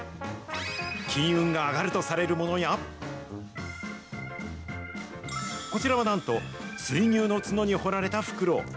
金運が上がるとされるものや、こちらはなんと、水牛の角に彫られたフクロウ。